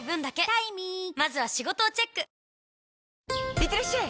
いってらっしゃい！